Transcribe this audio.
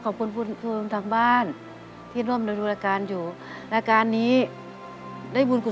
ขอบคุณครับสาธุครับพระอาทิตย์ขอบคุณครับสาธุครับพระอาทิตย์ขอบคุณครับ